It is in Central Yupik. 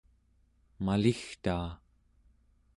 maligtaa